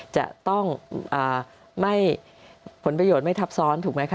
จะต้องไม่ผลประโยชน์ไม่ทับซ้อนถูกไหมคะ